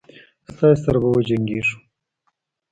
ستاسي سره به وجنګیږو.